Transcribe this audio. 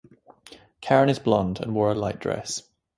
Karen is blonde and wore a light dress.